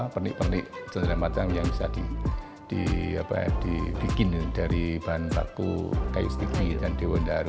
pernik pernik cendera matang yang bisa dibikin dari bahan baku kayu sty dan dewan daru